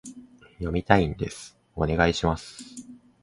読みたいんです、お願いします